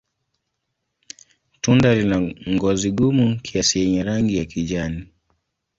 Tunda lina ngozi gumu kiasi yenye rangi ya kijani.